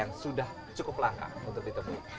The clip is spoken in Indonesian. yang sudah cukup langka untuk ditemui